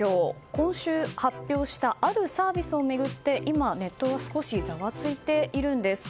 今週発表したあるサービスを巡って今、ネットが少しざわついているんです。